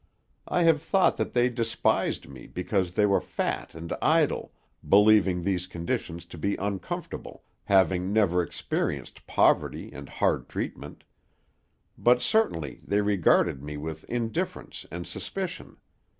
I have thought that they despised me because they were fat and idle, believing these conditions to be uncomfortable, having never experienced poverty and hard treatment; but certainly they regarded me with indifference and suspicion.